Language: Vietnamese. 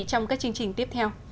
trong các chương trình tiếp theo